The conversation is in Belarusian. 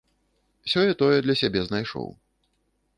Сёе-тое для сябе знайшоў.